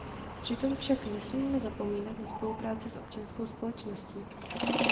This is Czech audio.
Přitom však nesmíme zapomínat na spolupráci s občanskou společností.